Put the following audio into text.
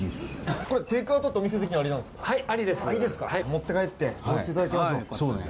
持って帰っておうちでいただきましょう。